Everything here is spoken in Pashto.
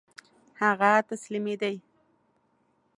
هغه تسلیمېدی.